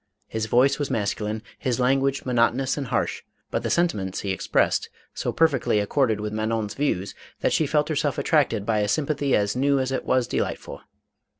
His voice was masculine ; his language monot onous and harsh, but the sentiments he expressed, so perfectly accorded with Manon's views that she felt herself attracted by a sympathy as new as it was de lightful.